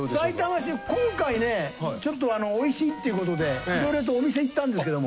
今回ちょっと美味しいっていうことでいろいろとお店行ったんですけども。